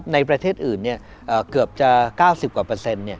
ในประเทศอื่นเกือบจะ๙๐กว่าเปอร์เซ็นต์